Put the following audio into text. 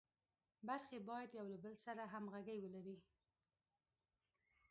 برخې باید یو له بل سره همغږي ولري.